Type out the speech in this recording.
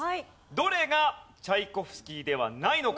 どれがチャイコフスキーではないのか。